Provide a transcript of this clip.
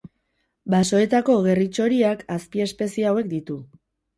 Basoetako gerri-txoriak azpiespezie hauek ditu.